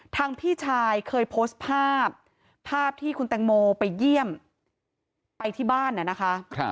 พี่ชายเคยโพสต์ภาพภาพที่คุณแตงโมไปเยี่ยมไปที่บ้านนะคะ